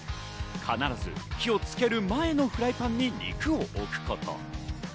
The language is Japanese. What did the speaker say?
必ず火をつける前のフライパンに肉を置くこと。